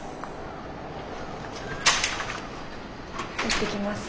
行ってきます。